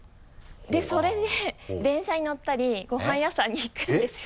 でそれで電車に乗ったりごはん屋さんに行くんですよ。